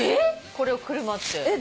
これをくるまって。